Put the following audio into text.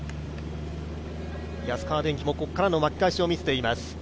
安川電機もここからの巻き返しを見せています。